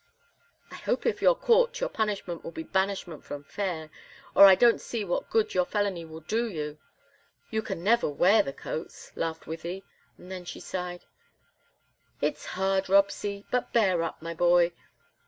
"I hope if you're caught your punishment will be banishment from Fayre, or I don't see what good your felony will do you you can never wear the coats," laughed Wythie, and then she sighed. "It's hard, Robsy, but bear up, my boy!